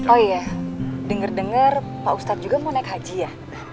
oh iya dengar dengar pak ustadz juga mau naik haji ya